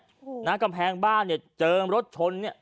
โอ้โหนะกำแพงบ้านเนี่ยเจอรถชนเนี่ย